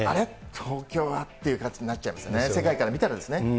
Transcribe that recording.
東京はっていう感じになっちゃいますよね、世界から見たらですね。